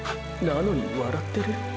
なのに笑ってる⁉